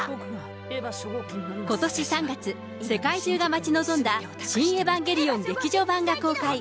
ことし３月、世界中が待ち望んだシン・エヴァンゲリオン劇場版が公開。